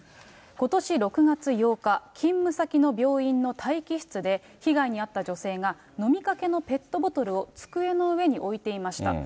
ことし６月８日、勤務先の病院の待機室で、被害に遭った女性が飲みかけのペットボトルを机の上に置いていました。